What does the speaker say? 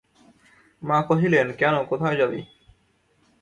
মা কহিলেন, কেন, কোথায় যাবি।